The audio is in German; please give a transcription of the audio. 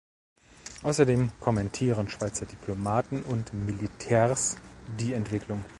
Außerdem kommentieren Schweizer Diplomaten und Militärs die Entwicklung.